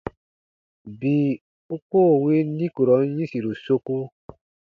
Bii u koo win nikurɔn yĩsiru soku.